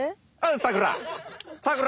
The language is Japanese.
さくら！